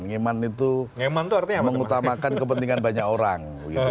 iman itu mengutamakan kepentingan banyak orang